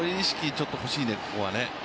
ちょっとほしいね、ここはね。